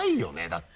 だって。